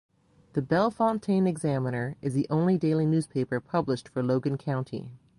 The "Bellefontaine Examiner" is the only daily newspaper published for Logan County.